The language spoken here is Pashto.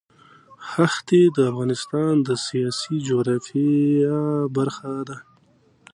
ښتې د افغانستان د سیاسي جغرافیه برخه ده.